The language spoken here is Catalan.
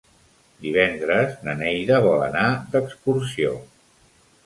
Divendres na Neida vol anar d'excursió.